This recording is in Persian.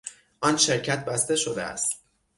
آن شرکت بسته شده است.